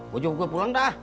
gue jemput gue pulang dah